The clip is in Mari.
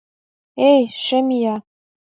Эй, шем ия!